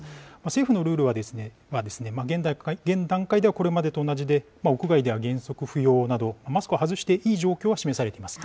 政府のルールはですね、現段階ではこれまでと同じで、屋外では原則不要など、マスクを外していい状況は示されています。